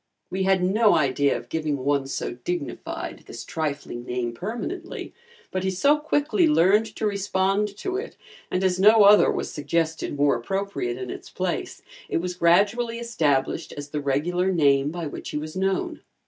We had no idea of giving one so dignified this trifling name permanently, but he so quickly learned to respond to it, and as no other was suggested more appropriate in its place, it was gradually established as the regular name by which he was known.